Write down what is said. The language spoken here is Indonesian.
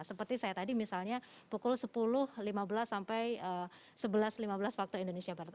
seperti saya tadi misalnya pukul sepuluh lima belas sampai sebelas lima belas waktu indonesia barat